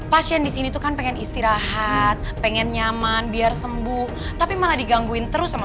pasien di sini tuh kan pengen istirahat pengen nyaman biar sembuh tapi malah digangguin terus sama